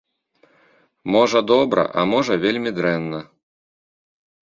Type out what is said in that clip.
Можа, добра, а можа, вельмі дрэнна.